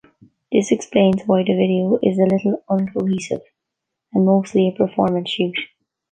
This explains why the video is a little uncohesive and mostly a performance shoot.